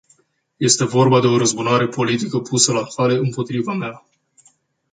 Este vorba de o răzbunare politică pusă la cale împotriva mea.